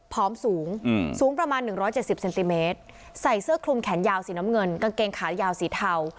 สูงสูงประมาณ๑๗๐เซนติเมตรใส่เสื้อคลุมแขนยาวสีน้ำเงินกางเกงขายาวสีเทา